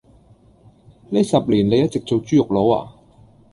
呢十年你一直做豬肉佬呀？